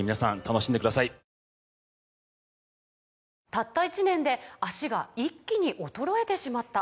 「たった１年で脚が一気に衰えてしまった」